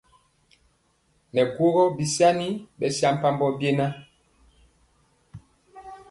Nɛ guógó bisaŋi bɛsampabɔ beŋan byigɔ.